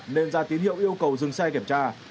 nên ra tín hiệu yêu cầu dừng xe kiểm tra